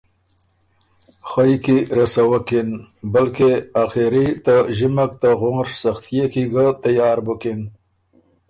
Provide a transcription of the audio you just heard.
خئ کی رسوَکِن بلکې ا خري ته ݫِمک ته غونڒ سختيې کی ګۀ تیار بُکِن،